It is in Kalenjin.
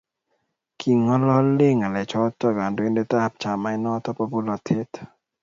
king'alale ng'alechoto kandoindetab chamainito bo bolatet.